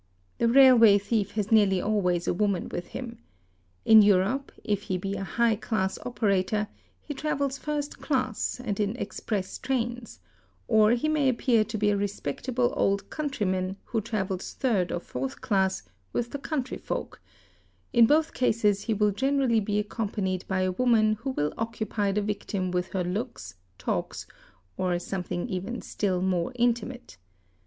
The railway thief has nearly always a woman with him. In Europe if he be a high class operator he travels first class and in ex press trains, or he may appear to be a respectable old countryman who travels third or fourth class with the country folk, in both cases he will generally be accompanied by a woman who will occupy the victim with her looks, talk, or something even still more intimate.